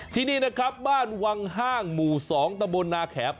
ที่นี่นะครับบ้านวังห้างหมู่๒ตะบนนาแขม